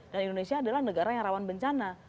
dan indonesia adalah negara yang rawan bencana